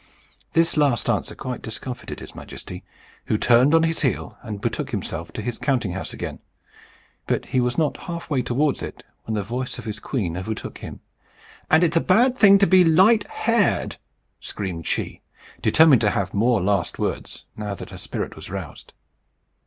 This last answer quite discomfited his Majesty, who turned on his heel, and betook himself to his counting house again. But he was not half way towards it, when the voice of his queen overtook him. "And it's a bad thing to be light haired," screamed she, determined to have more last words, now that her spirit was roused.